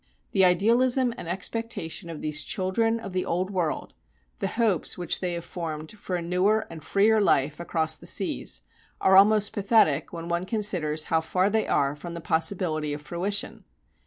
The idealism and expectation of these children of the Old World, the hopes which they have formed for a newer and freer life across the seas, are almost pathetic when one considers how far they are from the possibility of fruition.